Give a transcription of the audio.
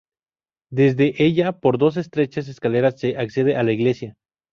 Desde ella por dos estrechas escaleras se accede a la iglesia.